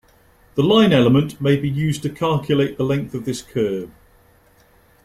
The line element may be used to calculate the length of this curve.